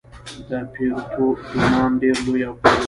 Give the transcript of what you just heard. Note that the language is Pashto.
ديپروتودونان ډېر لوی او قوي وو.